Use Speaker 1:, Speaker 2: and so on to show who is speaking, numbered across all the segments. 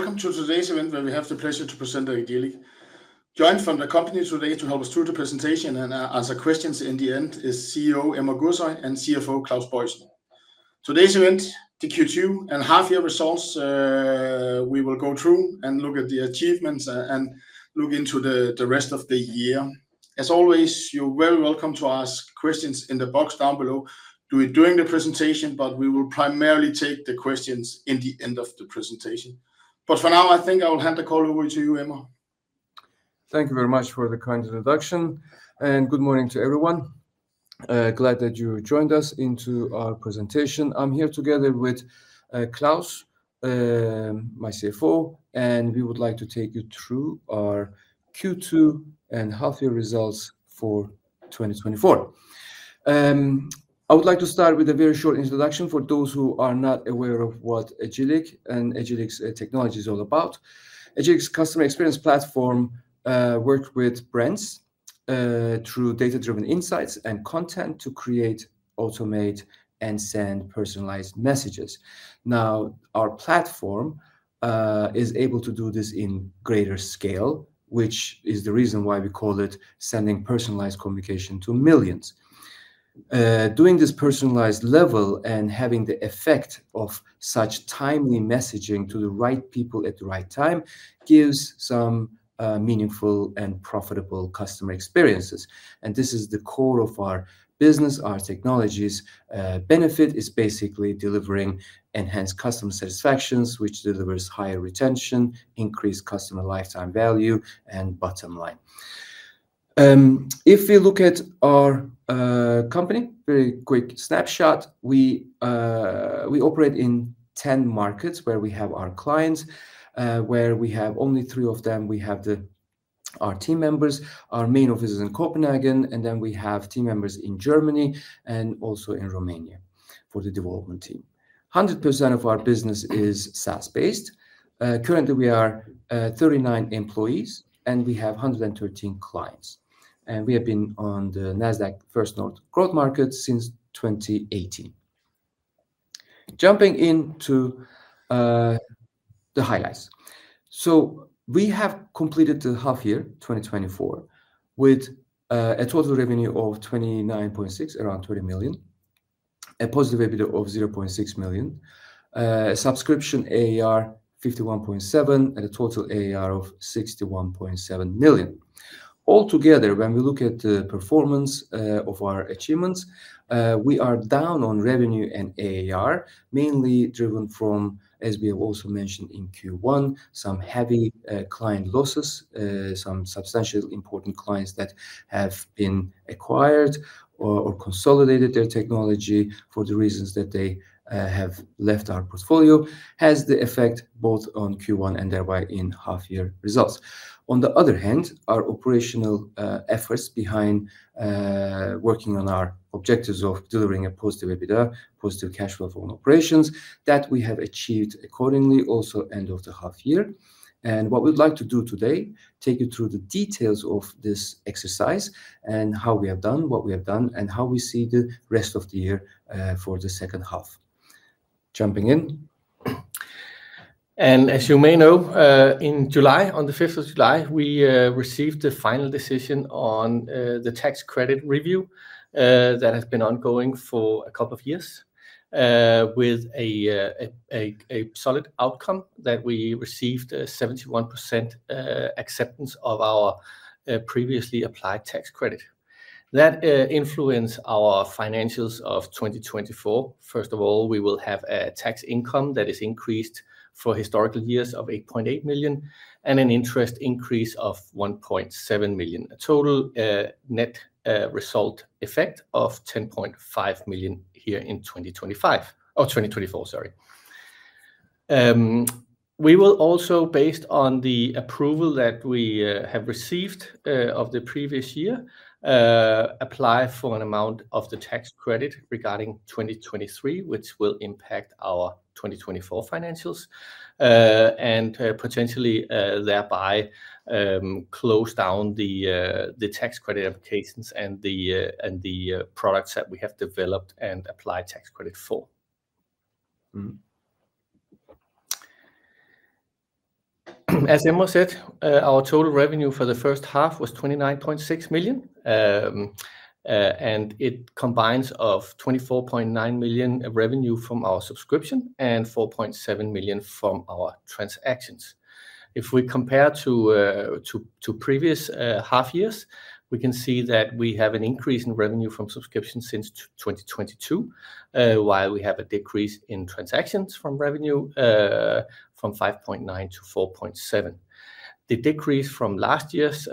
Speaker 1: Welcome to today's event, where we have the pleasure to present the Agillic. Joined from the company today to help us through the presentation and answer questions in the end is CEO Emre Gürsoy and CFO Claus Bojesen. Today's event, the Q2 and half year results, we will go through and look at the achievements and look into the rest of the year. As always, you're very welcome to ask questions in the box down below. Do it during the presentation, but we will primarily take the questions in the end of the presentation. For now, I think I will hand the call over to you, Emre.
Speaker 2: Thank you very much for the kind introduction, and good morning to everyone. Glad that you joined us into our presentation. I'm here together with Claus, my CFO, and we would like to take you through our Q2 and half-year results for 2024. I would like to start with a very short introduction for those who are not aware of what Agillic and Agillic's technology is all about. Agillic's customer experience platform works with brands through data-driven insights and content to create, automate, and send personalized messages. Now, our platform is able to do this in greater scale, which is the reason why we call it sending personalized communication to millions. Doing this personalized level and having the effect of such timely messaging to the right people at the right time, gives some meaningful and profitable customer experiences, and this is the core of our business. Our technology's benefit is basically delivering enhanced customer satisfactions, which delivers higher retention, increased customer lifetime value, and bottom line. If we look at our company, very quick snapshot, we operate in 10 markets, where we have our clients, where we have only three of them. We have our team members. Our main office is in Copenhagen, and then we have team members in Germany and also in Romania for the development team. 100% of our business is SaaS-based. Currently, we are 39 employees, and we have 113 clients, and we have been on the Nasdaq First North Growth Market since 2018. Jumping into the highlights. We have completed the half year 2024 with a total revenue of 29.6 million, around 20 million, a positive EBITDA of 0.6 million, subscription ARR 51.7 million, and a total ARR of 61.7 million. Altogether, when we look at the performance of our achievements, we are down on revenue and ARR, mainly driven from, as we have also mentioned in Q1, some heavy client losses, some substantial important clients that have been acquired or consolidated their technology for the reasons that they have left our portfolio, has the effect both on Q1, and thereby in half-year results. On the other hand, our operational efforts behind working on our objectives of delivering a positive EBITDA, positive cash flow from operations, that we have achieved accordingly, also end of the half year. And what we'd like to do today, take you through the details of this exercise and how we have done, what we have done, and how we see the rest of the year, for the second half. Jumping in.
Speaker 3: As you may know, in July, on the fifth of July, we received the final decision on the tax credit review that has been ongoing for a couple of years with a solid outcome that we received a 71% acceptance of our previously applied tax credit. That influenced our financials of 2024. First of all, we will have a tax income that is increased for historical years of 8.8 million and an interest increase of 1.7 million. A total net result effect of 10.5 million here in 2025, or 2024, sorry. We will also, based on the approval that we have received of the previous year, apply for an amount of the tax credit regarding 2023, which will impact our 2024 financials, and potentially, thereby, close down the tax credit applications and the products that we have developed and applied tax credit for.
Speaker 2: Mm-hmm.
Speaker 3: As Emre said, our total revenue for the first half was 29.6 million. It combines of 24.9 million revenue from our subscription and 4.7 million from our transactions. If we compare to previous half years, we can see that we have an increase in revenue from subscription since 2022, while we have a decrease in transactions from revenue from 5.9 to 4.7. The decrease from last year's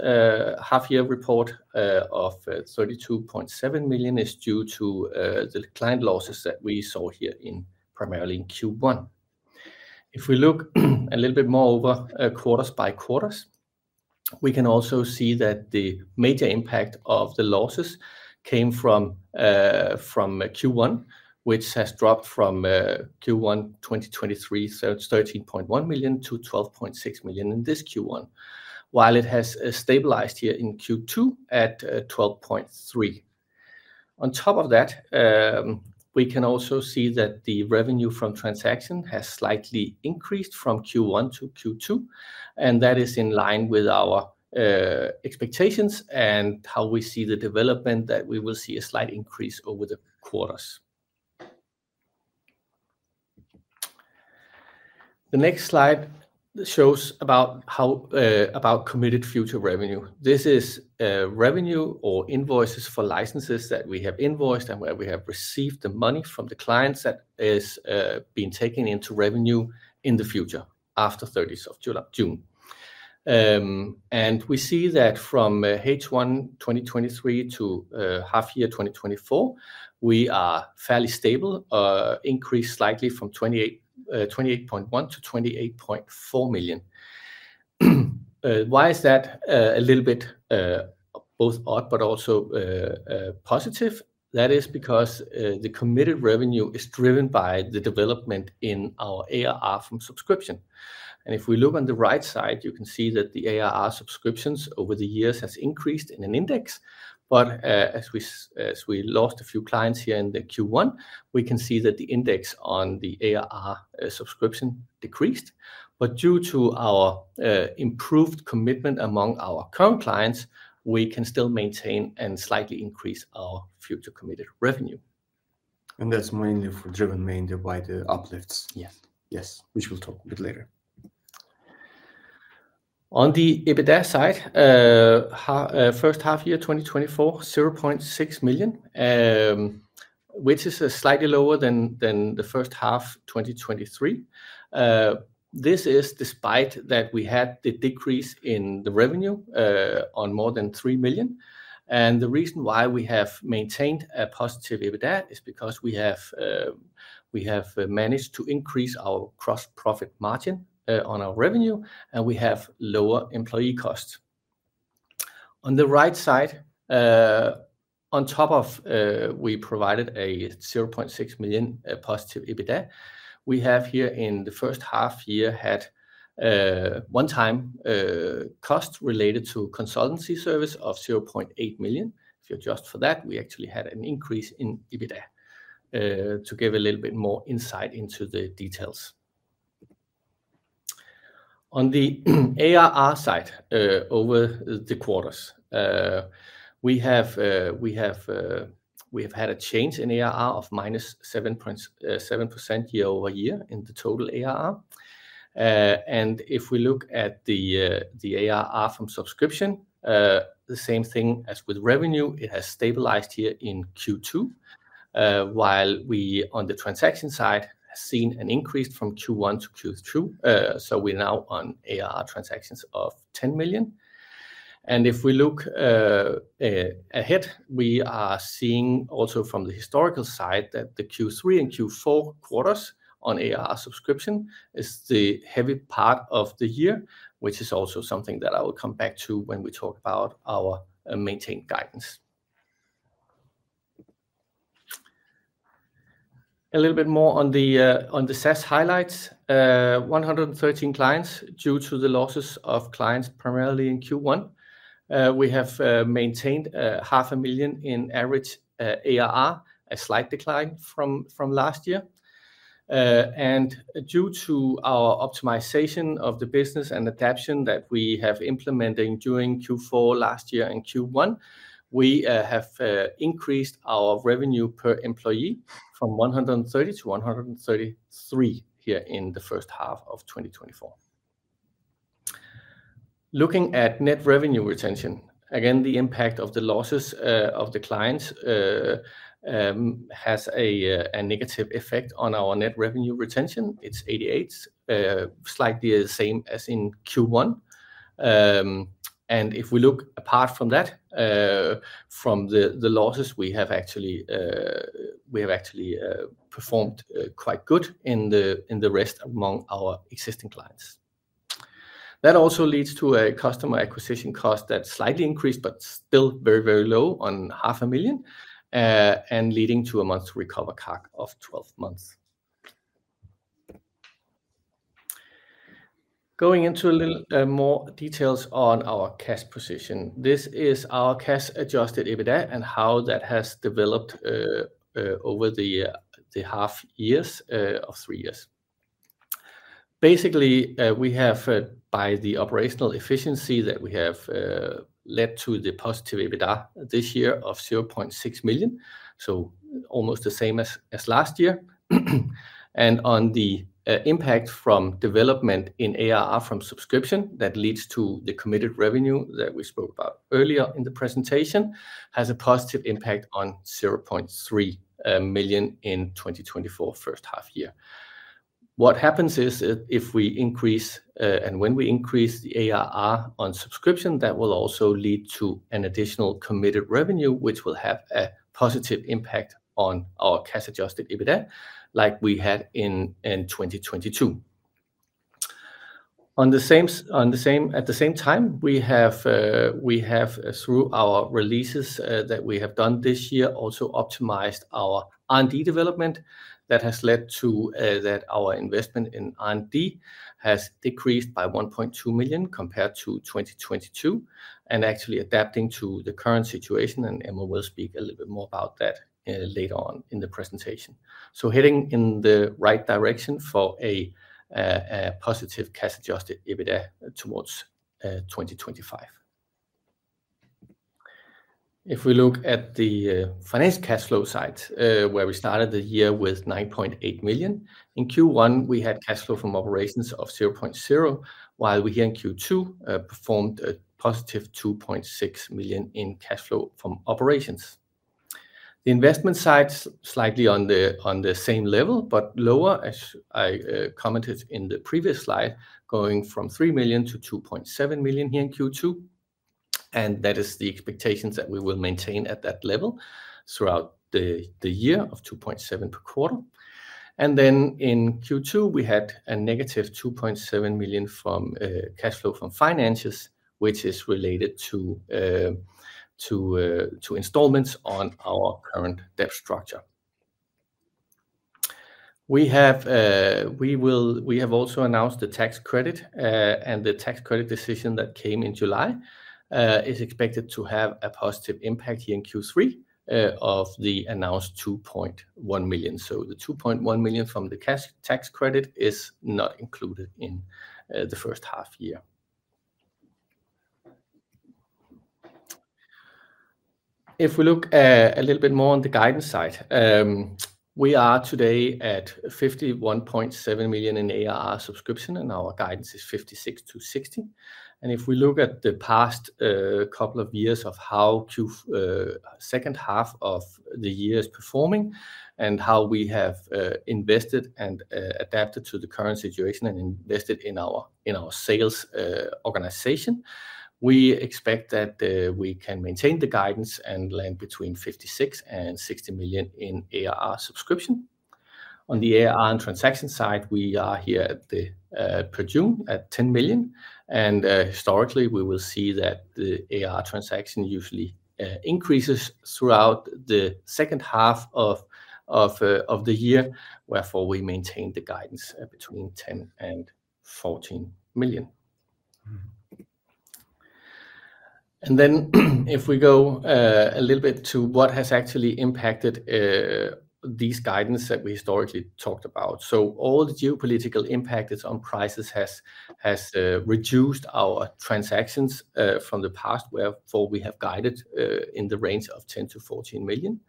Speaker 3: half-year report of 32.7 million is due to the client losses that we saw here in primarily in Q1. If we look a little bit more over, quarters by quarters, we can also see that the major impact of the losses came from, from Q1, which has dropped from, Q1 2023, so it's 13.1 million to 12.6 million in this Q1, while it has stabilized here in Q2 at 12.3 million. On top of that, we can also see that the revenue from transaction has slightly increased from Q1 to Q2, and that is in line with our expectations and how we see the development, that we will see a slight increase over the quarters. The next slide shows about committed future revenue. This is revenue or invoices for licenses that we have invoiced and where we have received the money from the clients that is being taken into revenue in the future, after 30 June. We see that from H1 2023 to half year 2024, we are fairly stable, increased slightly from 28.1 to 28.4 million. Why is that a little bit both odd but also positive? That is because the committed revenue is driven by the development in our ARR from subscription. If we look on the right side, you can see that the ARR subscriptions over the years has increased in an index. But, as we lost a few clients here in the Q1, we can see that the index on the ARR subscription decreased. But due to our improved commitment among our current clients, we can still maintain and slightly increase our future committed revenue.
Speaker 2: That's mainly driven by the uplifts.
Speaker 3: Yes.
Speaker 2: Yes, which we'll talk a bit later.
Speaker 3: On the EBITDA side, H1 year 2024, 0.6 million, which is slightly lower than H1 2023. This is despite that we had the decrease in the revenue on more than 3 million, and the reason why we have maintained a positive EBITDA is because we have managed to increase our gross profit margin on our revenue, and we have lower employee costs. On the right side, on top of, we provided a 0.6 million positive EBITDA, we have here in the first half year had one-time cost related to consultancy service of 0.8 million. If you adjust for that, we actually had an increase in EBITDA. To give a little bit more insight into the details. On the ARR side, over the quarters, we have had a change in ARR of minus 7.7% year over year in the total ARR. And if we look at the ARR from subscription, the same thing as with revenue, it has stabilized here in Q2, while we, on the transaction side, have seen an increase from Q1 to Q2. So we're now on ARR transactions of 10 million. And if we look ahead, we are seeing also from the historical side, that the Q3 and Q4 quarters on ARR subscription is the heavy part of the year, which is also something that I will come back to when we talk about our maintained guidance. A little bit more on the SaaS highlights. 113 clients due to the losses of clients, primarily in Q1. We have maintained half a million in average ARR, a slight decline from last year, and due to our optimization of the business and adaptation that we have implemented during Q4 last year and Q1, we have increased our revenue per employee from 130 to 133 here in H1 of 2024. Looking at net revenue retention, again, the impact of the losses of the clients has a negative effect on our net revenue retention. It's 88%, slightly the same as in Q1. And if we look apart from that, from the losses, we have actually performed quite good in the rest among our existing clients. That also leads to a customer acquisition cost that slightly increased, but still very, very low at 500,000, and leading to a payback period to recover CAC of 12 months. Going into a little more details on our cash position. This is our cash-adjusted EBITDA and how that has developed over the half years or three years. Basically, we have, by the operational efficiency that we have, led to the positive EBITDA this year of 0.6 million, so almost the same as last year. And on the impact from development in ARR from subscription, that leads to the committed revenue that we spoke about earlier in the presentation, has a positive impact on 0.3 million in 2024, first half year. What happens is, if we increase and when we increase the ARR on subscription, that will also lead to an additional committed revenue, which will have a positive impact on our cash-adjusted EBITDA, like we had in 2022. At the same time, we have, through our releases that we have done this year, also optimized our R&D development that has led to that our investment in R&D has decreased by 1.2 million compared to 2022, and actually adapting to the current situation, and Emma will speak a little bit more about that later on in the presentation. So heading in the right direction for a positive cash-adjusted EBITDA towards 2025. If we look at the finance cash flow side, where we started the year with 9.8 million, in Q1, we had cash flow from operations of 0.0, while we, here in Q2, performed a positive 2.6 million in cash flow from operations. The investment side's slightly on the, on the same level, but lower, as I commented in the previous slide, going from 3 million to 2.7 million here in Q2, and that is the expectations that we will maintain at that level throughout the, the year of 2.7 million per quarter. Then in Q2, we had a -2.7 million from cash flow from financing, which is related to installments on our current debt structure. We have also announced the tax credit, and the tax credit decision that came in July is expected to have a positive impact here in Q3 of the announced 2.1 million. So the 2.1 million from the cash tax credit is not included in the first half year. If we look a little bit more on the guidance side, we are today at 51.7 million in ARR subscription, and our guidance is 56-60 million. If we look at the past couple of years of how H2 of the year is performing and how we have invested and adapted to the current situation and invested in our sales organization, we expect that we can maintain the guidance and land between 56-60 million in ARR subscription. On the ARR and transaction side, we are here at the per June, at 10 million, and historically, we will see that the ARR transaction usually increases throughout H2 of the year, wherefore we maintain the guidance between 10-14 million. If we go a little bit to what has actually impacted these guidance that we historically talked about. All the geopolitical impact on prices has reduced our transactions from the past, wherefore we have guided in the range of 10-14 million.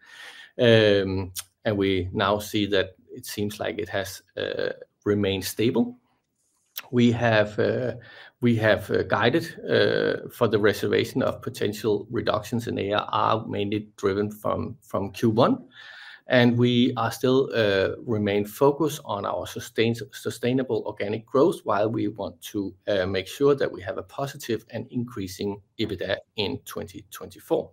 Speaker 3: We now see that it seems like it has remained stable. We have guided for the reservation of potential reductions in ARR, mainly driven from Q1, and we still remain focused on our sustainable organic growth, while we want to make sure that we have a positive and increasing EBITDA in 2024.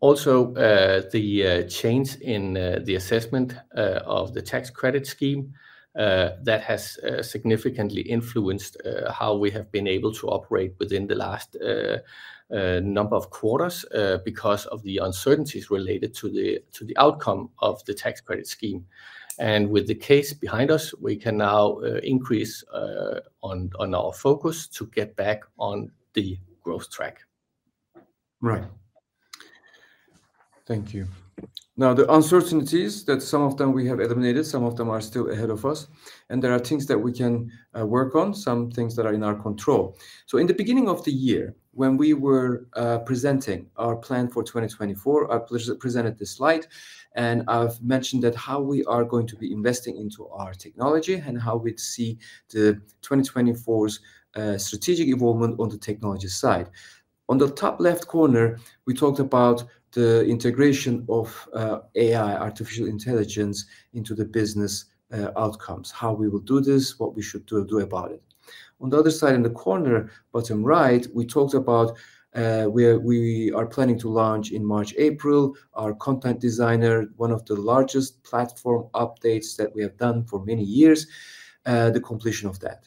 Speaker 3: Also, the change in the assessment of the tax credit scheme that has significantly influenced how we have been able to operate within the last number of quarters because of the uncertainties related to the outcome of the tax credit scheme, and with the case behind us, we can now increase on our focus to get back on the growth track.
Speaker 2: Right. Thank you. Now, the uncertainties, that some of them we have eliminated, some of them are still ahead of us, and there are things that we can work on, some things that are in our control. In the beginning of the year, when we were presenting our plan for 2024, I presented this slide, and I've mentioned that how we are going to be investing into our technology and how we'd see the 2024's strategic involvement on the technology side. On the top left corner, we talked about the integration of AI, artificial intelligence, into the business outcomes, how we will do this, what we should do about it. On the other side, in the corner, bottom right, we talked about where we are planning to launch in March, April, our Content Designer, one of the largest platform updates that we have done for many years, the completion of that.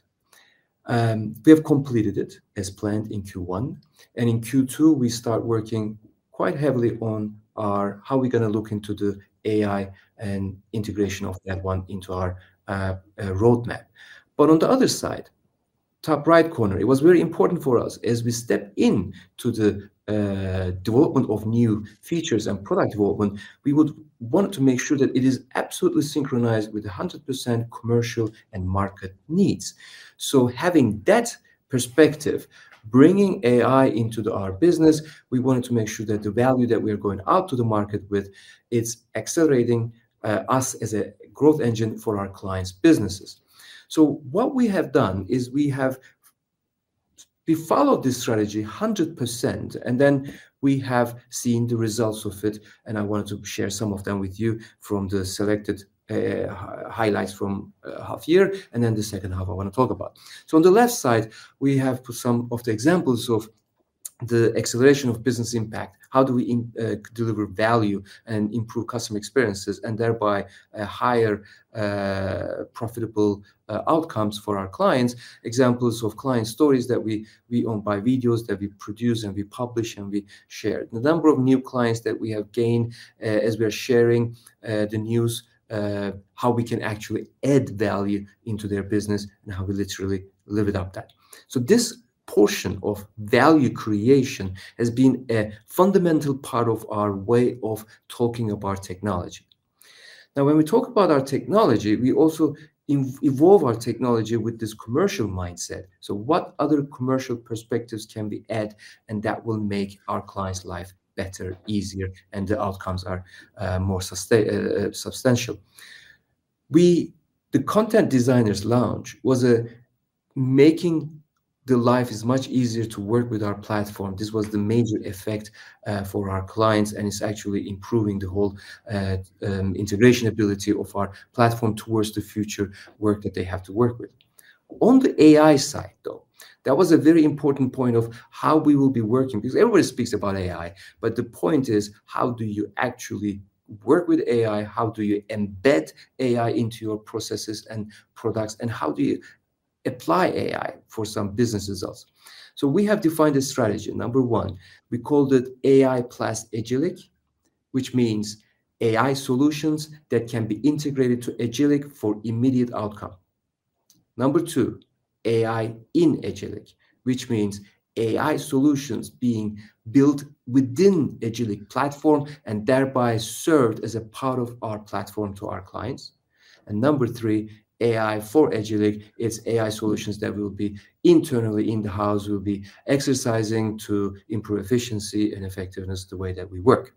Speaker 2: We have completed it as planned in Q1, and in Q2, we start working quite heavily on how we're gonna look into the AI and integration of that one into our roadmap, but on the other side, top right corner, it was very important for us as we step into the development of new features and product development, we would want to make sure that it is absolutely synchronized with 100% commercial and market needs. So having that perspective, bringing AI into our business, we wanted to make sure that the value that we are going out to the market with, it's accelerating us as a growth engine for our clients' businesses. So what we have done is we have followed this strategy 100%, and then we have seen the results of it, and I wanted to share some of them with you from the selected highlights from half year, and then the second half, I wanna talk about. So on the left side, we have put some of the examples of the acceleration of business impact, how do we deliver value and improve customer experiences, and thereby a higher profitable outcomes for our clients? Examples of client stories that we own by videos that we produce and we publish, and we share. The number of new clients that we have gained, as we are sharing the news how we can actually add value into their business and how we literally live up to that. So this portion of value creation has been a fundamental part of our way of talking about technology. Now, when we talk about our technology, we also involve our technology with this commercial mindset. So what other commercial perspectives can we add? And that will make our clients' life better, easier, and the outcomes are more substantial. The Content Designer launch was aimed at making life much easier to work with our platform. This was the major effect for our clients, and it's actually improving the whole integration ability of our platform towards the future work that they have to work with. On the AI side, though, that was a very important point of how we will be working, because everybody speaks about AI, but the point is, how do you actually work with AI? How do you embed AI into your processes and products, and how do you apply AI for some business results? So we have defined a strategy. Number one, we called it AI plus Agillic, which means AI solutions that can be integrated to Agillic for immediate outcome. Number two, AI in Agillic, which means AI solutions being built within Agillic platform and thereby served as a part of our platform to our clients. And number three, AI for Agillic, it's AI solutions that will be internally in the house, will be exercising to improve efficiency and effectiveness the way that we work.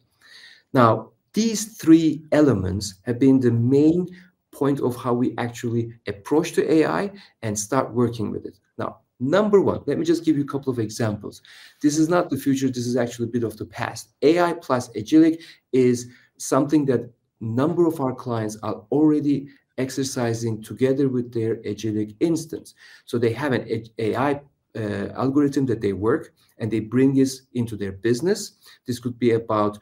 Speaker 2: Now, these three elements have been the main point of how we actually approach to AI and start working with it. Now, number one, let me just give you a couple of examples. This is not the future. This is actually a bit of the past. AI plus Agillic is something that number of our clients are already exercising together with their Agillic instance. So they have an AI algorithm that they work, and they bring this into their business. This could be about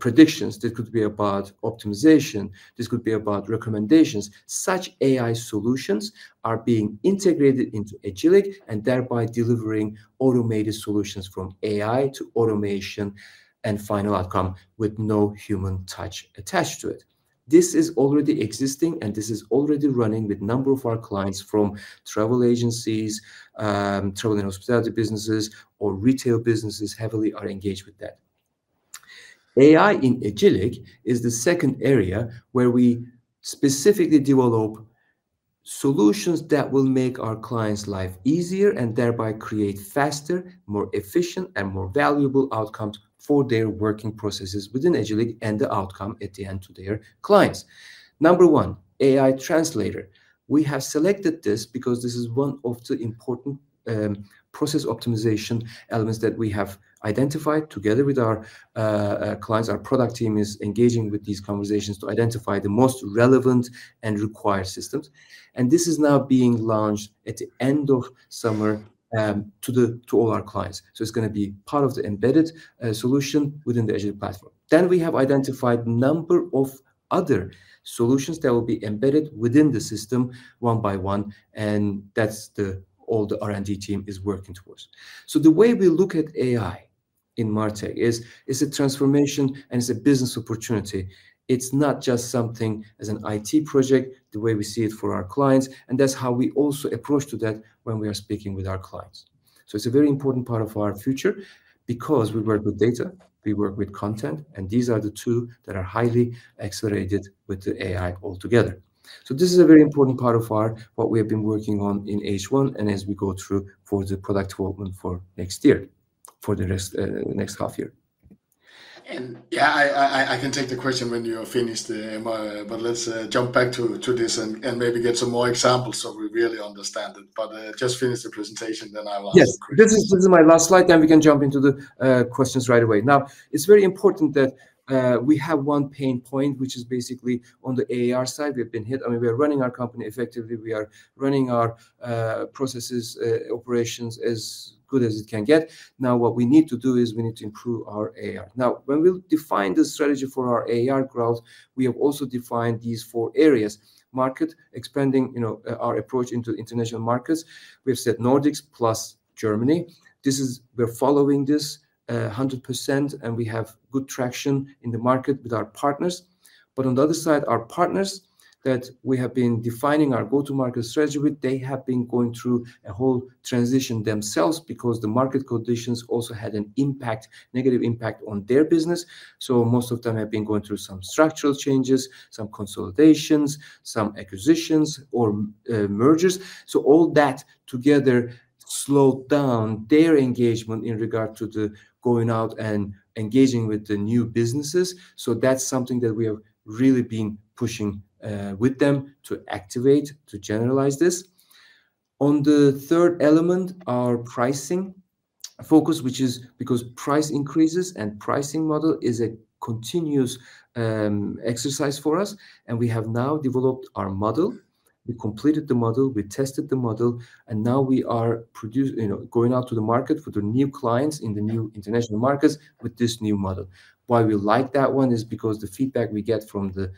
Speaker 2: predictions, this could be about optimization, this could be about recommendations. Such AI solutions are being integrated into Agillic, and thereby delivering automated solutions from AI to automation and final outcome with no human touch attached to it. This is already existing, and this is already running with number of our clients from travel agencies, travel and hospitality businesses or retail businesses heavily are engaged with that. AI in Agillic is the second area where we specifically develop solutions that will make our clients' life easier, and thereby create faster, more efficient, and more valuable outcomes for their working processes within Agillic and the outcome at the end to their clients. Number one, AI Translator. We have selected this because this is one of the important, process optimization elements that we have identified together with our, clients. Our product team is engaging with these conversations to identify the most relevant and required systems, and this is now being launched at the end of summer, to all our clients. So it's gonna be part of the embedded, solution within the Agillic platform. Then we have identified a number of other solutions that will be embedded within the system one by one, and that's the... all the R&D team is working towards. So the way we look at AI in MarTech is, it's a transformation and it's a business opportunity. It's not just something as an IT project, the way we see it for our clients, and that's how we also approach to that when we are speaking with our clients. So it's a very important part of our future because we work with data, we work with content, and these are the two that are highly accelerated with the AI altogether. So this is a very important part of our-- what we have been working on in H1, and as we go through for the product development for next year, for the rest, next half year. Yeah, I can take the question when you are finished, but let's jump back to this and maybe get some more examples so we really understand it. But just finish the presentation, then I will ask questions. Yes. This is my last slide, then we can jump into the questions right away. Now, it's very important that we have one pain point, which is basically on the ARR side. We've been hit. I mean, we are running our company effectively, we are running our processes, operations as good as it can get. Now, what we need to do is we need to improve our ARR. Now, when we'll define the strategy for our ARR growth, we have also defined these four areas: market expanding, you know, our approach into international markets. We've said Nordics plus Germany. This is. We're following this 100%, and we have good traction in the market with our partners. But on the other side, our partners that we have been defining our go-to-market strategy with, they have been going through a whole transition themselves because the market conditions also had an impact, negative impact on their business. So most of them have been going through some structural changes, some consolidations, some acquisitions or, mergers. So all that together slowed down their engagement in regard to the going out and engaging with the new businesses. So that's something that we have really been pushing, with them to activate, to generalize this. On the third element, our pricing focus, which is because price increases and pricing model is a continuous, exercise for us, and we have now developed our model-... We completed the model, we tested the model, and now we are producing, you know, going out to the market for the new clients in the new international markets with this new model. Why we like that one is because the feedback we get from the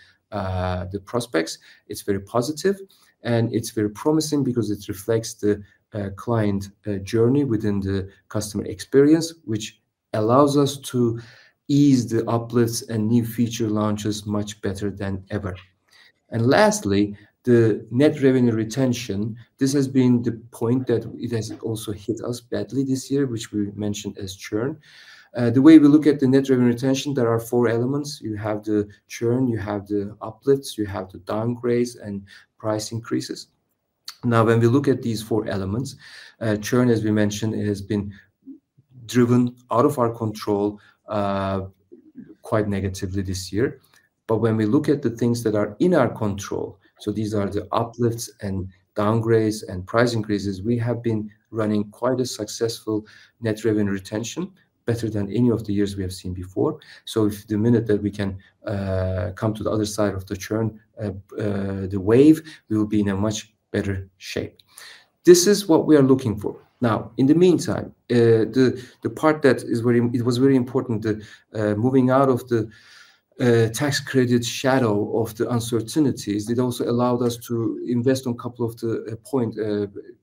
Speaker 2: prospects, it's very positive, and it's very promising because it reflects the client journey within the customer experience, which allows us to ease the uplifts and new feature launches much better than ever. And lastly, the net revenue retention. This has been the point that it has also hit us badly this year, which we mentioned as churn. The way we look at the net revenue retention, there are four elements. You have the churn, you have the uplifts, you have the downgrades, and price increases. Now, when we look at these four elements, churn, as we mentioned, it has been driven out of our control, quite negatively this year. But when we look at the things that are in our control, so these are the uplifts and downgrades and price increases, we have been running quite a successful net revenue retention, better than any of the years we have seen before. So if the minute that we can, come to the other side of the churn, the wave, we will be in a much better shape. This is what we are looking for. Now, in the meantime, it was very important that moving out of the tax credit shadow of the uncertainties, it also allowed us to invest on a couple of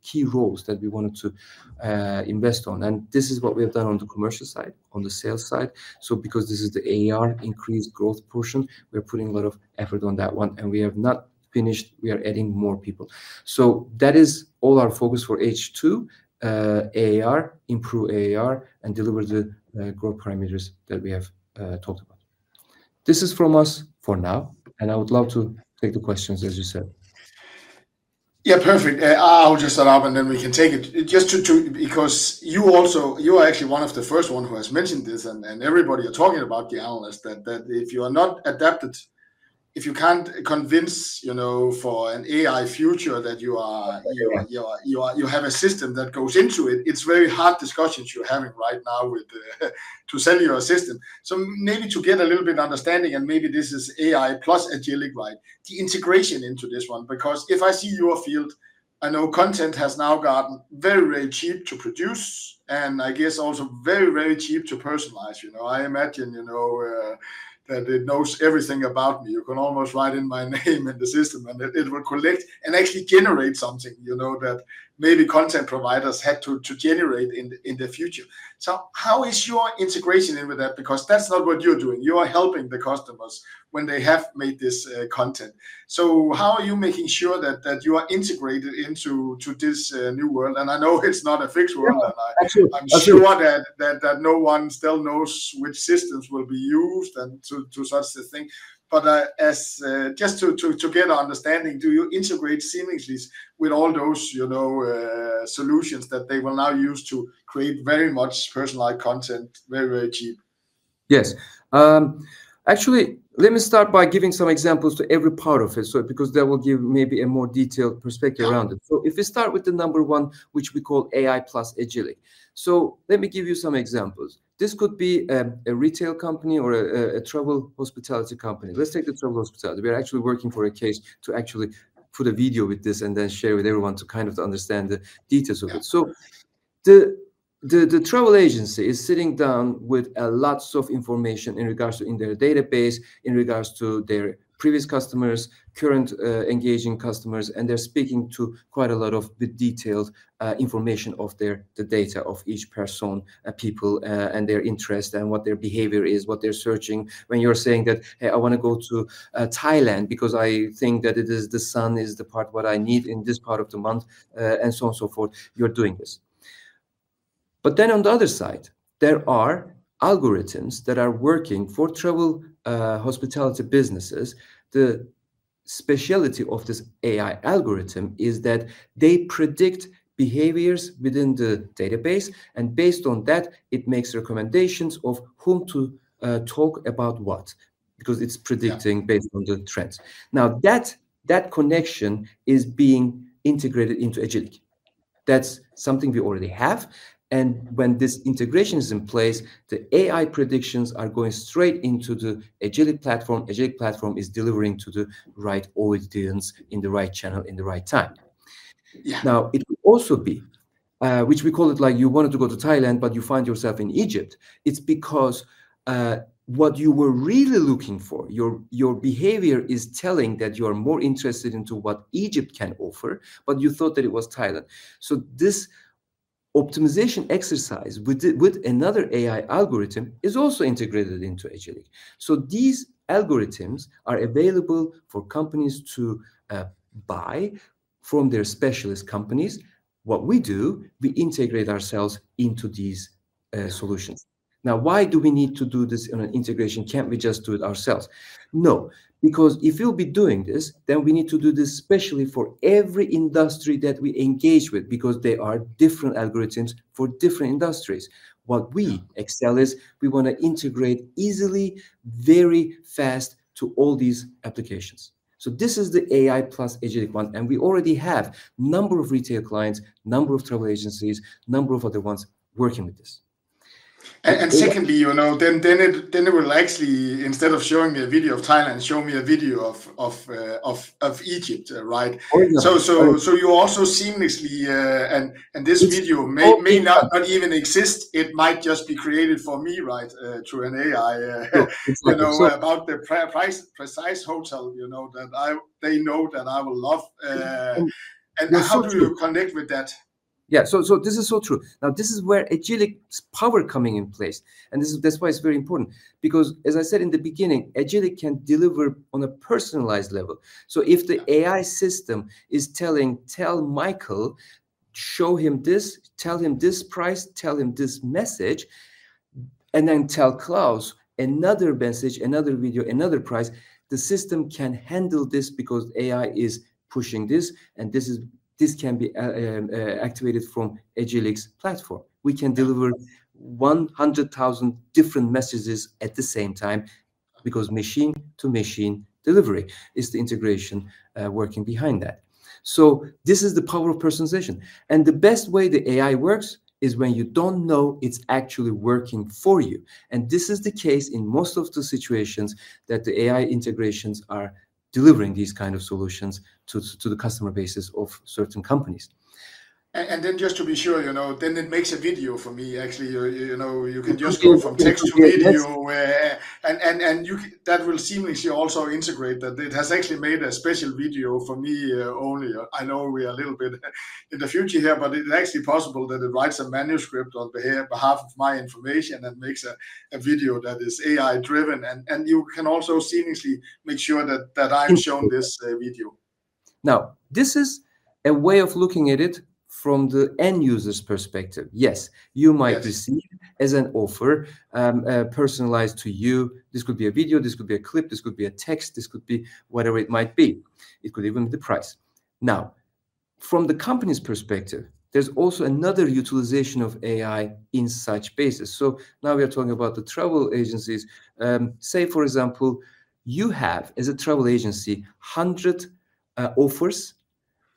Speaker 2: key roles that we wanted to invest on. And this is what we have done on the commercial side, on the sales side. So because this is the ARR increased growth portion, we are putting a lot of effort on that one, and we have not finished, we are adding more people. So that is all our focus for H2, ARR, improve ARR, and deliver the growth parameters that we have talked about. This is from us for now, and I would love to take the questions, as you said. Yeah, perfect. I'll just start up, and then we can take it. Just to... Because you also. You are actually one of the first one who has mentioned this, and everybody are talking about the analysts, that if you are not adapted, if you can't convince, you know, for an AI future, that you are- Yeah... you are, you have a system that goes into it. It's very hard discussions you're having right now with to sell your system. So maybe to get a little bit understanding, and maybe this is AI plus Agillic, right? The integration into this one, because if I see your field, I know content has now gotten very, very cheap to produce and I guess also very, very cheap to personalize. You know, I imagine, you know, that it knows everything about me. You can almost write in my name in the system, and it will collect and actually generate something, you know, that maybe content providers had to generate in the future. So how is your integration in with that? Because that's not what you're doing. You are helping the customers when they have made this content. So how are you making sure that you are integrated into this new world? And I know it's not a fixed world. Absolutely. I'm sure that no one still knows which systems will be used and to get an understanding, do you integrate seamlessly with all those, you know, solutions that they will now use to create very much personalized content, very, very cheap? Yes. Actually, let me start by giving some examples to every part of it, so because that will give maybe a more detailed perspective around it. Yeah. If we start with the number one, which we call AI plus Agillic. Let me give you some examples. This could be a retail company or a travel hospitality company. Let's take the travel hospitality. We're actually working for a case to actually put a video with this and then share with everyone to kind of understand the details of it. Yeah. So the travel agency is sitting down with lots of information in regards to their database, in regards to their previous customers, current engaging customers, and they're speaking to quite a lot of the detailed information of their data of each person and their interest and what their behavior is, what they're searching. When you're saying that, "Hey, I want to go to Thailand because I think that it is the sun is the part what I need in this part of the month," and so on and so forth, you're doing this. But then on the other side, there are algorithms that are working for travel hospitality businesses. The specialty of this AI algorithm is that they predict behaviors within the database, and based on that, it makes recommendations of whom to talk about what, because it's predicting- Yeah... based on the trends. Now, that connection is being integrated into Agillic. That's something we already have, and when this integration is in place, the AI predictions are going straight into the Agillic platform. Agillic platform is delivering to the right audience, in the right channel, in the right time. Yeah. Now, it will also be, which we call it, like, you wanted to go to Thailand, but you find yourself in Egypt. It's because, what you were really looking for, your behavior is telling that you are more interested in what Egypt can offer, but you thought that it was Thailand. So this optimization exercise with another AI algorithm is also integrated into Agillic. So these algorithms are available for companies to buy from their specialist companies. What we do, we integrate ourselves into these solutions. Now, why do we need to do this in an integration? Can't we just do it ourselves? No, because if you will be doing this, then we need to do this especially for every industry that we engage with, because there are different algorithms for different industries. What we excel is, we want to integrate easily, very fast to all these applications. So this is the AI plus Agillic one, and we already have number of retail clients, number of travel agencies, number of other ones working with this. ... And secondly, you know, then it will actually, instead of showing me a video of Thailand, show me a video of Egypt, right? Oh, yeah. So you also seamlessly and this video- Oh- may, may not, not even exist, it might just be created for me, right? Through an AI. No, it's like this. You know, about the precise hotel, you know, that I... They know that I will love. Yeah, so true. And how do you connect with that? Yeah, so this is so true. Now, this is where Agillic's power coming in place, and that's why it's very important. Because as I said in the beginning, Agillic can deliver on a personalized level, so if the AI system is telling, "Tell Michael, show him this, tell him this price, tell him this message," and then tell Claus another message, another video, another price, the system can handle this because AI is pushing this, and this can be activated from Agillic's platform. We can deliver 100,000 different messages at the same time because machine-to-machine delivery is the integration working behind that, so this is the power of personalization, and the best way the AI works is when you don't know it's actually working for you. This is the case in most of the situations, that the AI integrations are delivering these kind of solutions to the customer bases of certain companies. then just to be sure, you know, then it makes a video for me, actually. You know, you can just go from text to video- Yes. That will seamlessly also integrate, that it has actually made a special video for me only. I know we are a little bit in the future here, but it's actually possible that it writes a manuscript on behalf of my information and makes a video that is AI-driven, and you can also seamlessly make sure that I'm shown this video. Now, this is a way of looking at it from the end user's perspective. Yes. Yes. You might receive as an offer, personalized to you. This could be a video, this could be a clip, this could be a text, this could be whatever it might be. It could even be the price. Now, from the company's perspective, there's also another utilization of AI in such basis, so now we are talking about the travel agencies. Say, for example, you have, as a travel agency, 100 offers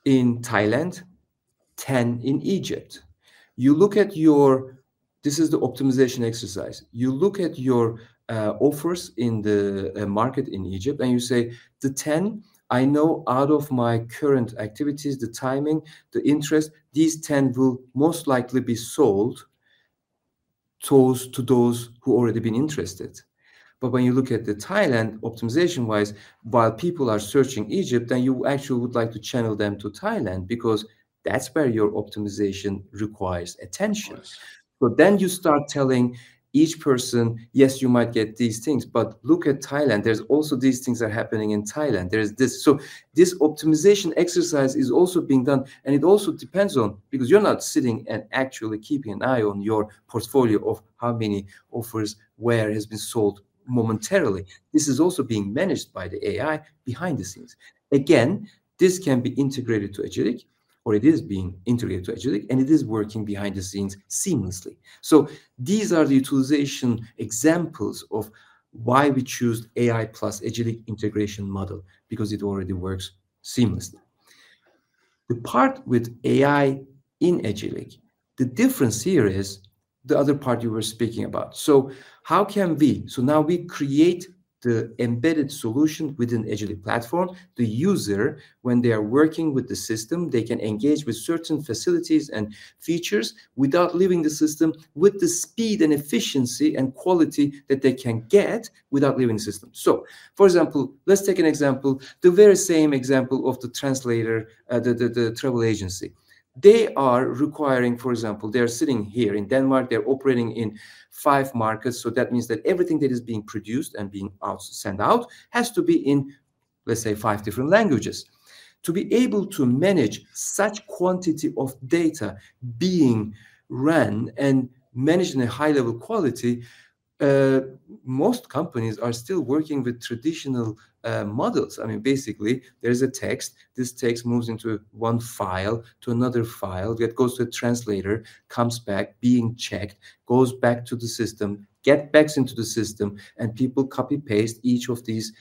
Speaker 2: in Thailand, 10 in Egypt. You look at your... This is the optimization exercise: You look at your offers in the market in Egypt, and you say, "The 10 I know out of my current activities, the timing, the interest, these 10 will most likely be sold to those who already been interested." But when you look at the Thailand, optimization-wise, while people are searching Egypt, then you actually would like to channel them to Thailand because that's where your optimization requires attention. Yes. But then you start telling each person, "Yes, you might get these things, but look at Thailand. There's also these things are happening in Thailand. There is this..." So this optimization exercise is also being done, and it also depends on because you're not sitting and actually keeping an eye on your portfolio of how many offers, where has been sold momentarily. This is also being managed by the AI behind the scenes. Again, this can be integrated to Agillic, or it is being integrated to Agillic, and it is working behind the scenes seamlessly. So these are the utilization examples of why we choose AI plus Agillic integration model, because it already works seamlessly. The part with AI in Agillic, the difference here is the other part you were speaking about. So how can we... So now we create the embedded solution within Agillic platform. The user, when they are working with the system, they can engage with certain facilities and features without leaving the system with the speed and efficiency and quality that they can get without leaving the system. So for example, let's take an example, the very same example of the translator, the travel agency. They are requiring, for example, they are sitting here in Denmark, they're operating in five markets, so that means that everything that is being produced and being out, sent out, has to be in, let's say, five different languages. To be able to manage such quantity of data being ran and managed in a high-level quality, most companies are still working with traditional models. I mean, basically, there's a text, this text moves into one file to another file, that goes to a translator, comes back, being checked, goes back to the system, gets back into the system, and people copy-paste each of these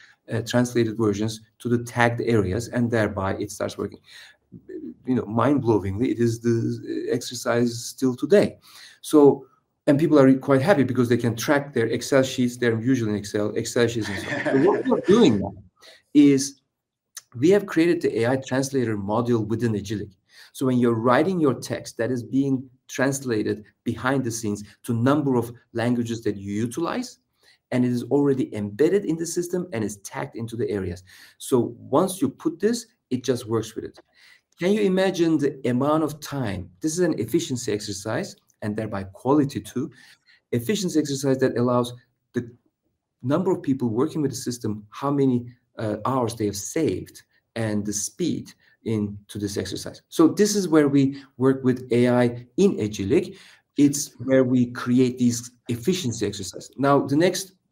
Speaker 2: translated versions to the tagged areas, and thereby it starts working. You know, mind-blowingly, it is the exercise still today. So and people are quite happy because they can track their Excel sheets. They're usually in Excel sheets. But what we're doing now is we have created the AI translator module within Agillic. So when you're writing your text, that is being translated behind the scenes to a number of languages that you utilize, and it is already embedded in the system and is tagged into the areas. So once you put this, it just works with it. Can you imagine the amount of time? This is an efficiency exercise, and thereby quality, too. Efficiency exercise that allows the number of people working with the system, how many hours they have saved and the speed into this exercise. So this is where we work with AI in Agillic. It's where we create these efficiency exercises. Now, the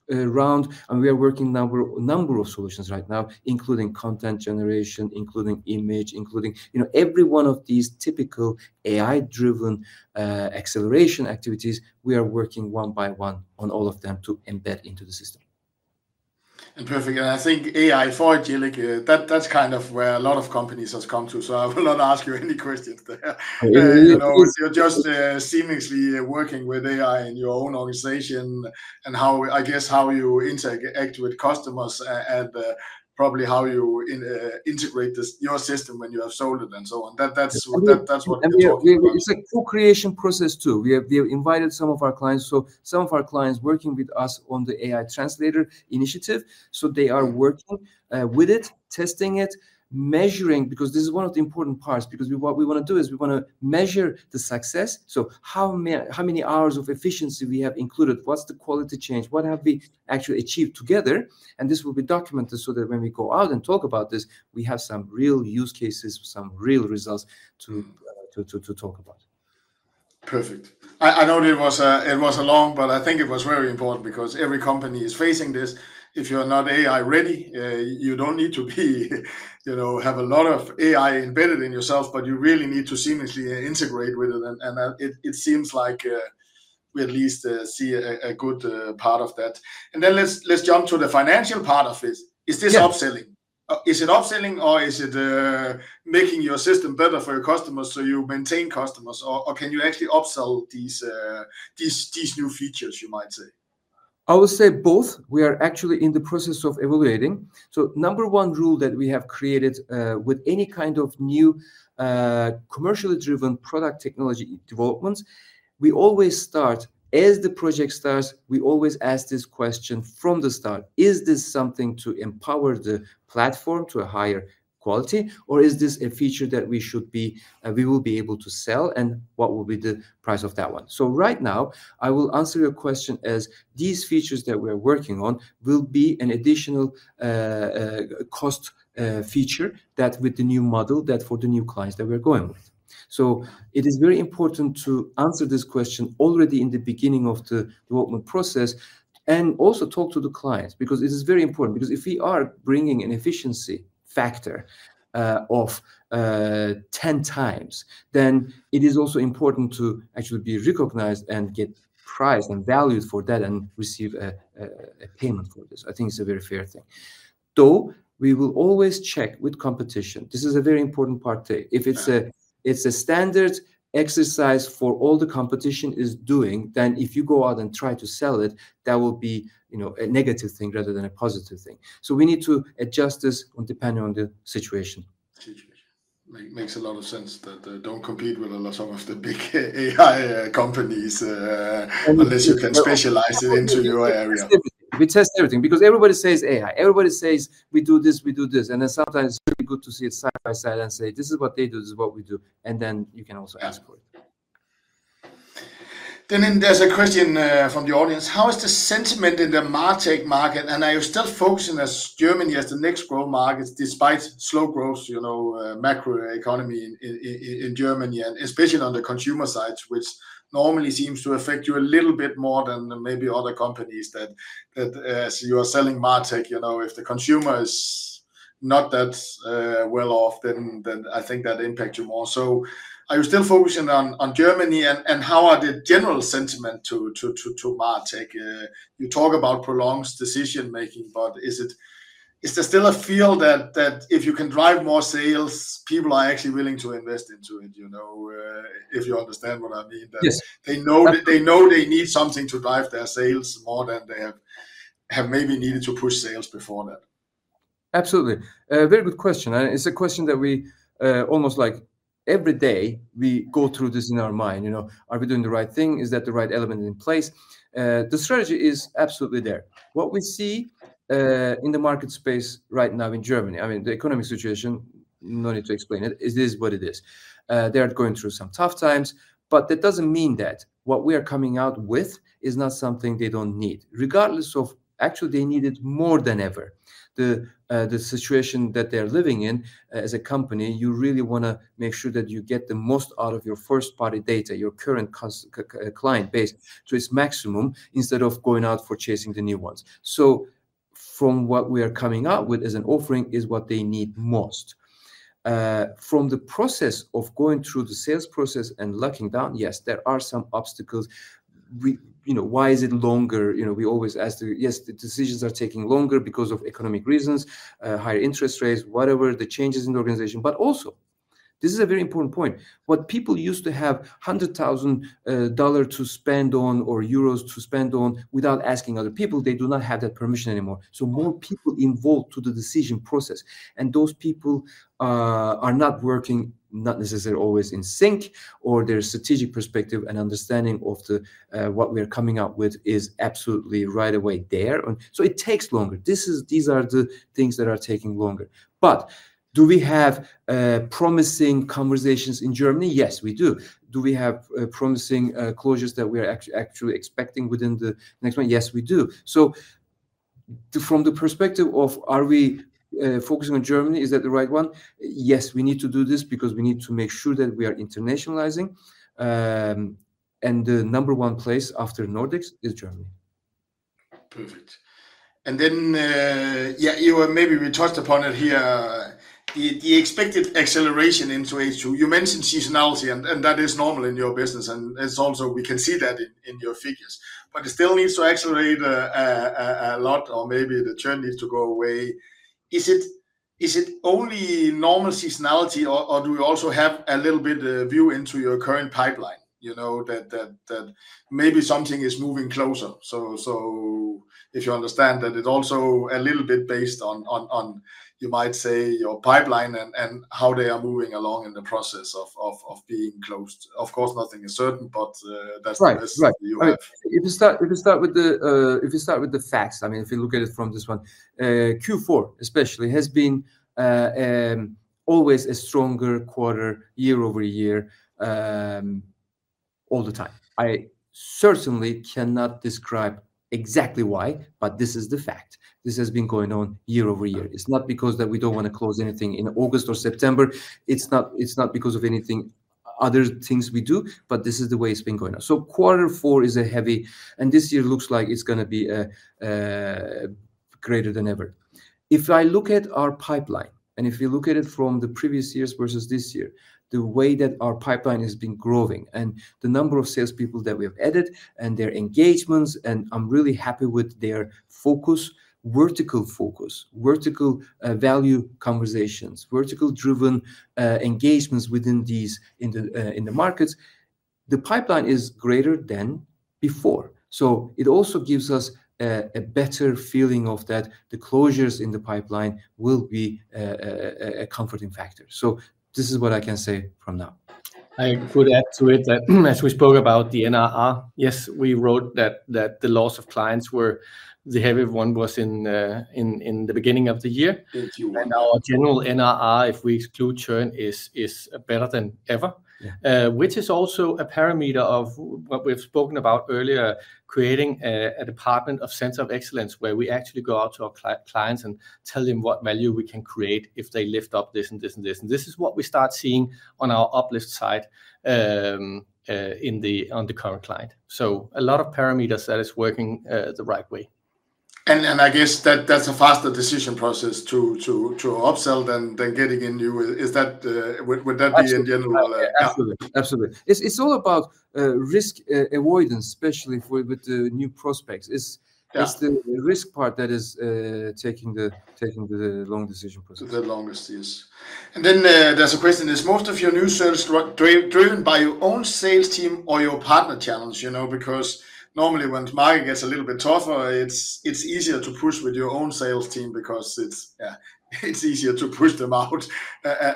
Speaker 2: next round, and we are working number of solutions right now, including content generation, including image, including, you know, every one of these typical AI-driven acceleration activities, we are working one by one on all of them to embed into the system. ... And perfect, and I think AI for Agillic, that's kind of where a lot of companies has come to, so I will not ask you any questions there. Yeah, yeah, of course. You know, you're just seamlessly working with AI in your own organization, and how, I guess, how you interact with customers and, probably how you integrate this, your system when you have sold it, and so on. That, that's- Absolutely... that, that's what we're talking about. And it's a co-creation process, too. We have invited some of our clients, so some of our clients working with us on the AI translator initiative, so they are working with it, testing it, measuring. Because this is one of the important parts, because what we wanna do is we wanna measure the success. So how many, how many hours of efficiency we have included? What's the quality change? What have we actually achieved together? And this will be documented so that when we go out and talk about this, we have some real use cases, some real results to talk about. Perfect. I know it was a, it was long, but I think it was very important, because every company is facing this. If you're not AI-ready, you don't need to be, you know, have a lot of AI embedded in yourself, but you really need to seamlessly integrate with it. And it seems like we at least see a good part of that. And then let's jump to the financial part of this. Yeah. Is this upselling? Is it upselling or is it making your system better for your customers, so you maintain customers? Or can you actually upsell these new features, you might say? I would say both. We are actually in the process of evaluating. So number one rule that we have created, with any kind of new, commercially driven product technology developments, we always start, as the project starts, we always ask this question from the start: "Is this something to empower the platform to a higher quality, or is this a feature that we should be- we will be able to sell, and what will be the price of that one?" So right now, I will answer your question as, these features that we're working on will be an additional, cost, feature that with the new model, that for the new clients that we're going with. So it is very important to answer this question already in the beginning of the development process, and also talk to the clients, because this is very important. Because if we are bringing an efficiency factor of 10 times, then it is also important to actually be recognized and get prized and valued for that, and receive a payment for this. I think it's a very fair thing. Though, we will always check with competition. This is a very important part, too. Yeah. If it's a standard exercise for all the competition is doing, then if you go out and try to sell it, that will be, you know, a negative thing rather than a positive thing, so we need to adjust this depending on the situation. Situation. Makes a lot of sense that don't compete with a lot, some of the big AI companies. And we-... unless you can specialize it into your area. We test everything. We test everything, because everybody says AI, everybody says, "We do this, we do this," and then sometimes it's pretty good to see it side by side and say, "This is what they do, this is what we do," and then you can also ask for it. Yeah. Then there's a question from the audience: "How is the sentiment in the MarTech market? And are you still focusing on Germany as the next growth market, despite slow growth, you know, macro economy in Germany, and especially on the consumer side?" Which normally seems to affect you a little bit more than maybe other companies, that as you are selling MarTech, you know, if the consumer is not that well off, then I think that impact you more. So are you still focusing on Germany? And how are the general sentiment to MarTech? You talk about prolonged decision-making, but is there still a feel that if you can drive more sales, people are actually willing to invest into it, you know? If you understand what I mean. Yes. They know that- Absolutely... they know they need something to drive their sales more than they have maybe needed to push sales before that. Absolutely. Very good question, and it's a question that we almost like every day, we go through this in our mind, you know: "Are we doing the right thing? Is that the right element in place?" The strategy is absolutely there. What we see in the market space right now in Germany. I mean, the economic situation, no need to explain it, it is what it is. They're going through some tough times, but that doesn't mean that what we are coming out with is not something they don't need. Regardless of. Actually, they need it more than ever. The situation that they're living in, as a company, you really wanna make sure that you get the most out of your first-party data, your current client base, to its maximum, instead of going out for chasing the new ones. So from what we are coming out with as an offering is what they need most. From the process of going through the sales process and locking down, yes, there are some obstacles. You know, why is it longer? You know, we always ask. Yes, the decisions are taking longer because of economic reasons, higher interest rates, whatever, the changes in the organization. But also, this is a very important point: what people used to have $100,000 to spend on, or euros to spend on, without asking other people, they do not have that permission anymore. So more people involved to the decision process, and those people are not working, not necessarily always in sync, or their strategic perspective and understanding of the what we are coming up with is absolutely right away there. And so it takes longer. These are the things that are taking longer. But do we have promising conversations in Germany? Yes, we do. Do we have promising closures that we are actually expecting within the next month? Yes, we do. So from the perspective of are we focusing on Germany, is that the right one? Yes, we need to do this, because we need to make sure that we are internationalizing. And the number one place after Nordics is Germany. Perfect. And then, yeah, you were maybe we touched upon it here the expected acceleration into H2. You mentioned seasonality, and that is normal in your business, and it's also we can see that in your figures. But it still needs to accelerate a lot or maybe the trend needs to go away. Is it only normal seasonality, or do we also have a little bit view into your current pipeline? You know, that maybe something is moving closer. So if you understand that it's also a little bit based on, you might say, your pipeline and how they are moving along in the process of being closed. Of course, nothing is certain, but. Right. That's the message you have. Right. Right. If you start with the facts, I mean, if you look at it from this one, Q4, especially, has been always a stronger quarter year over year, all the time. I certainly cannot describe exactly why, but this is the fact. This has been going on year over year. It's not because that we don't wanna close anything in August or September. It's not because of anything, other things we do, but this is the way it's been going on. So Q4 is a heavy... and this year looks like it's gonna be greater than ever. If I look at our pipeline, and if you look at it from the previous years versus this year, the way that our pipeline has been growing and the number of salespeople that we have added and their engagements, and I'm really happy with their focus, vertical focus, vertical, value conversations, vertical-driven, engagements within these in the, in the markets, the pipeline is greater than before. So it also gives us a comforting factor. So this is what I can say from now.
Speaker 3: I would add to it that as we spoke about the NRR, yes, we wrote that, that the loss of clients were the heavy one was in the beginning of the year. In June. Our general NRR, if we exclude churn, is better than ever. Yeah. Which is also a parameter of what we've spoken about earlier, creating a department of Center of Excellence, where we actually go out to our clients and tell them what value we can create if they lift up this and this and this, and this is what we start seeing on our uplift side, on the current client, so a lot of parameters that is working the right way. I guess that's a faster decision process to upsell than getting a new... Is that, would that be in general?
Speaker 2: Absolutely. Absolutely. It's all about risk avoidance, especially for with the new prospects. Yeah. It's the risk part that is taking the long decision process. The longest, yes. And then, there's a question: Is most of your new sales driven by your own sales team or your partner channel? You know, because normally when the market gets a little bit tougher, it's easier to push with your own sales team because yeah, it's easier to push them out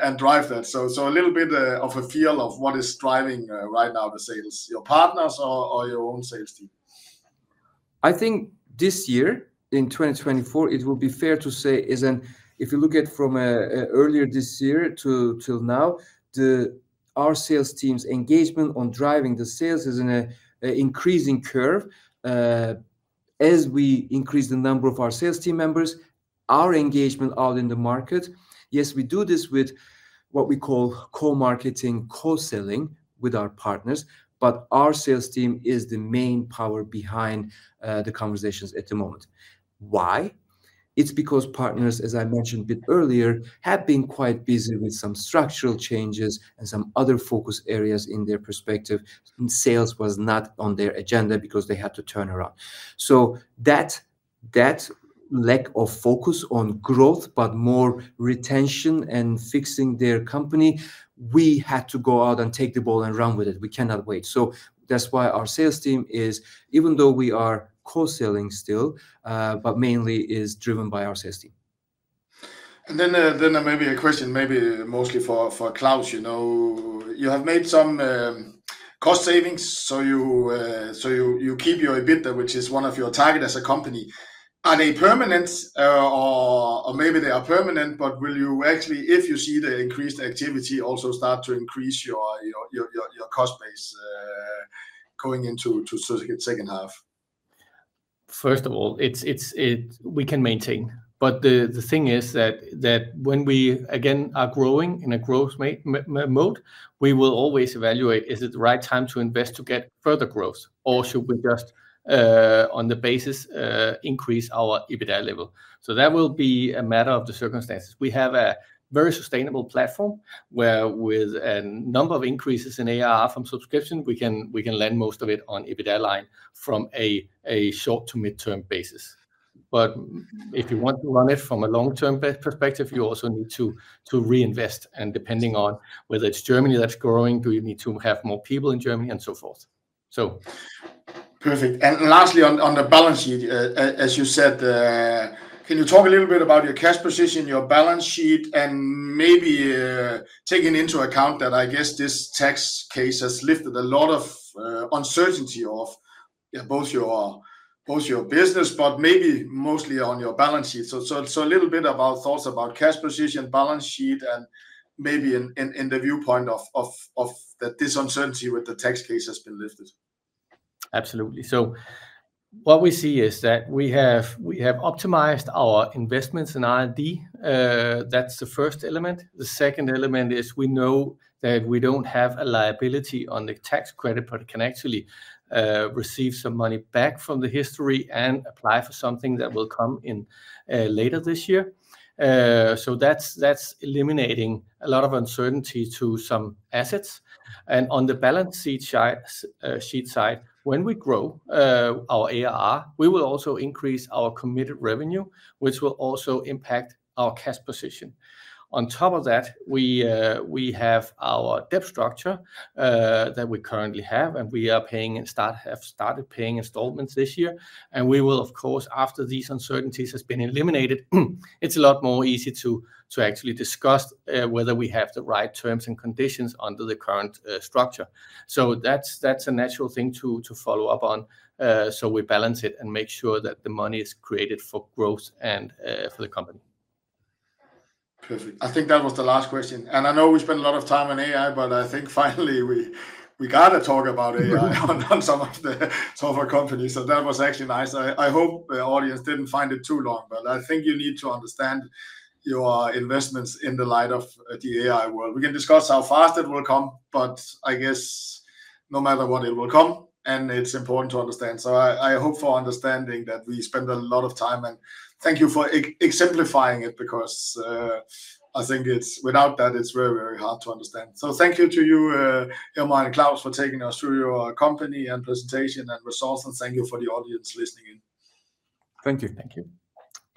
Speaker 2: and drive that. So, a little bit of a feel of what is driving right now the sales, your partners or your own sales team? I think this year, in 2024, it will be fair to say is if you look at from earlier this year to till now, our sales team's engagement on driving the sales is in an increasing curve. As we increase the number of our sales team members, our engagement out in the market, yes, we do this with what we call co-marketing, co-selling with our partners, but our sales team is the main power behind the conversations at the moment. Why? It's because partners, as I mentioned a bit earlier, have been quite busy with some structural changes and some other focus areas in their perspective, and sales was not on their agenda because they had to turn around. So that lack of focus on growth, but more retention and fixing their company, we had to go out and take the ball and run with it. We cannot wait. So that's why our sales team is, even though we are co-selling still, but mainly is driven by our sales team. Maybe a question, maybe mostly for Claus. You know, you have made some cost savings, so you keep your EBITDA, which is one of your target as a company. Are they permanent? Or maybe they are permanent, but will you actually, if you see the increased activity, also start to increase your cost base going into H2?
Speaker 3: First of all, we can maintain, but the thing is that when we again are growing in a growth mode, we will always evaluate, is it the right time to invest to get further growth, or should we just on the basis increase our EBITDA level, so that will be a matter of the circumstances. We have a very sustainable platform, where with a number of increases in ARR from subscription, we can lend most of it on EBITDA line from a short to midterm basis, but if you want to run it from a long-term perspective, you also need to reinvest, and depending on whether it's Germany that's growing, do you need to have more people in Germany, and so forth. So... Perfect. And lastly, on the balance sheet, as you said, can you talk a little bit about your cash position, your balance sheet, and maybe, taking into account that I guess this tax case has lifted a lot of uncertainty off, yeah, both your business, but maybe mostly on your balance sheet. So, a little bit about thoughts about cash position, balance sheet, and maybe in the viewpoint of that this uncertainty with the tax case has been lifted. Absolutely, so what we see is that we have optimized our investments in R&D. That's the first element. The second element is we know that we don't have a liability on the tax credit, but we can actually receive some money back from the treasury and apply for something that will come in later this year. So that's eliminating a lot of uncertainty to some assets. And on the balance sheet side, when we grow our ARR, we will also increase our committed revenue, which will also impact our cash position. On top of that, we have our debt structure that we currently have, and we have started paying installments this year. And we will, of course, after these uncertainties has been eliminated, it's a lot more easy to actually discuss whether we have the right terms and conditions under the current structure. So that's a natural thing to follow up on, so we balance it and make sure that the money is created for growth and for the company. Perfect. I think that was the last question, and I know we spent a lot of time on AI, but I think finally we got to talk about AI- Right... on some of the software companies, so that was actually nice. I hope the audience didn't find it too long, but I think you need to understand your investments in the light of the AI world. We can discuss how fast it will come, but I guess no matter what, it will come, and it's important to understand. So I hope for understanding that we spend a lot of time, and thank you for exemplifying it, because I think it's, without that, it's very, very hard to understand. So thank you to you, Hilmar and Claus, for taking us through your company and presentation and results, and thank you for the audience listening in. Thank you.
Speaker 2: Thank you.